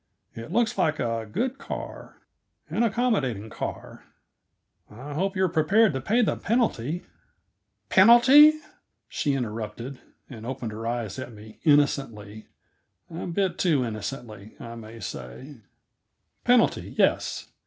"It looks like a good car an accommodating car. I hope you are prepared to pay the penalty " "Penalty?" she interrupted, and opened her eyes at me innocently; a bit too innocently, I may say. "Penalty; yes.